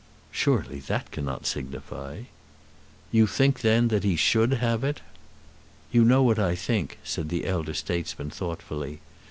"Surely that cannot signify." "You think, then, that he should have it?" "You know what I think," said the elder statesman thoughtfully.